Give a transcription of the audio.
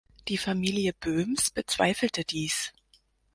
Die Familie Böhms bezweifelte dies.